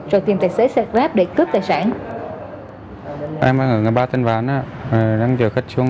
rồi tìm tài xế xe grab để cướp tài sản